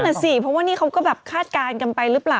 นั่นสิเพราะว่านี่เขาก็แบบคาดการณ์กันไปหรือเปล่า